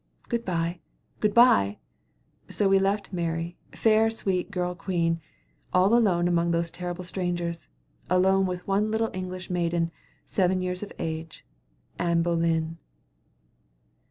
Good bye! good bye!" So we left Mary, fair, sweet girl queen, all alone among those terrible strangers; alone with one little English maiden, seven years of age Anne Boleyn.